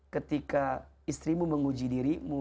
ketika istrimu menguji dirimu